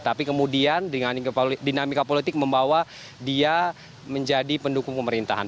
tapi kemudian dengan dinamika politik membawa dia menjadi pendukung pemerintahan